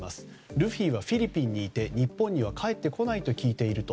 ルフィはフィリピンにいて日本には帰ってこないと。